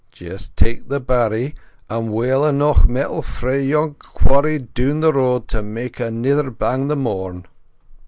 Just take the barry, and wheel eneuch metal frae yon quarry doon the road to mak anither bing the morn.